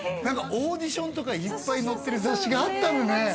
何かオーディションとかいっぱい載ってる雑誌があったんだね